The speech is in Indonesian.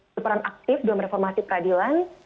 berperan aktif dalam reformasi peradilan